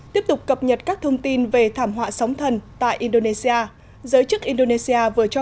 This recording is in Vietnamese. tiếp tục cập nhật các thông tin về thảm họa sóng thần tại indonesia giới chức indonesia vừa cho